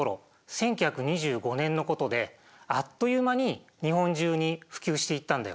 １９２５年のことであっという間に日本中に普及していったんだよ。